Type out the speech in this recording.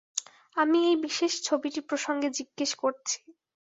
আমি এই বিশেষ ছবিটি প্রসঙ্গে জিজ্ঞেস করছি।